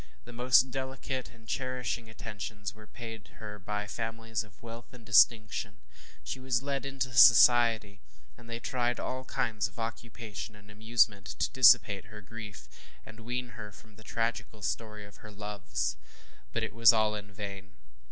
The most delicate and cherishing attentions were paid her by families of wealth and distinction. She was led into society, and they tried by all kinds of occupation and amusement to dissipate her grief, and wean her from the tragical story of her loves. But it was all in vain.